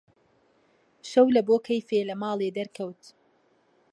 شەو لەبۆ کەیفێ لە ماڵێ دەرکەوت: